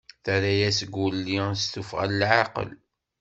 Terra-as Guli s tufɣa n laɛqel.